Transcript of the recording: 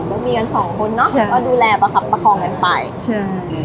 ก็มีกันสองคนเนอะก็ดูแลประคับประคองกันไปใช่